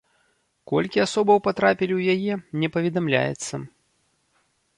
Колькі асобаў патрапілі ў яе, не паведамляецца.